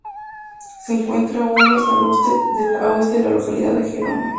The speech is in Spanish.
Se encuentra a unos al oeste de la localidad de Jerome.